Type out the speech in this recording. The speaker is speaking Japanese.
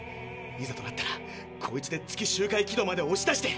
いざとなったらこいつで月周回軌道までおし出して。